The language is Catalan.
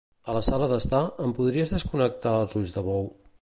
A la sala d'estar, em podries desconnectar els ulls de bou?